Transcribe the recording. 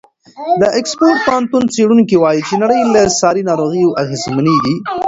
د اکسفورډ پوهنتون څېړونکي وایي چې نړۍ له ساري ناروغیو اغېزمنېږي.